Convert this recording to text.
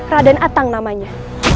raden atang namanya